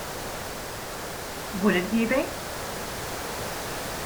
Wouldn't you be?